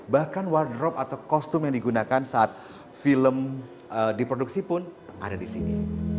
bahkan wardrop atau kostum yang digunakan saat film diproduksi pun ada di sini